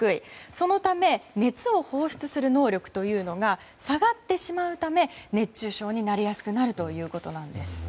そのため熱を放出する能力というのが下がってしまうため熱中症になりやすくなるということです。